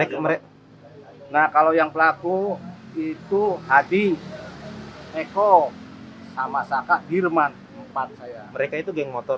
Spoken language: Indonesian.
baik mereka nah kalau yang pelaku itu hadi eko sama saka dirman empat saya mereka itu geng motor